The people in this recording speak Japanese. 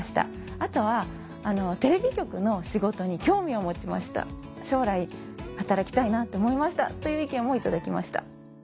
あとは「テレビ局の仕事に興味を持ちました」「将来働きたいなと思いました」という意見も頂きました。